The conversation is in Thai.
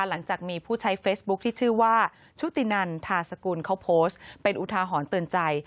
หลังจากมีผู้ใช้เฟซบุ๊คที่ชื่อว่าชุตินันทาสกุลเขาโพสต์เป็นอุทาหรณ์เตือนใจ